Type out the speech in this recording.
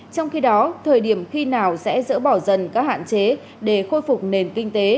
trong khi đó thời điểm khi nào sẽ dỡ bỏ dần các hạn chế để khôi phục nền kinh tế